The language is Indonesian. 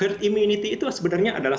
herd immunity itu sebenarnya adalah